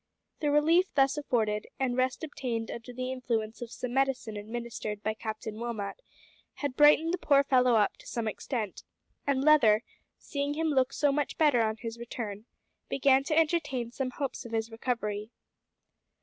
The relief thus afforded, and rest obtained under the influence of some medicine administered by Captain Wilmot, had brightened the poor fellow up to some extent; and Leather, seeing him look so much better on his return, began to entertain some hopes of his recovery.